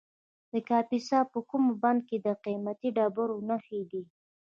د کاپیسا په کوه بند کې د قیمتي ډبرو نښې دي.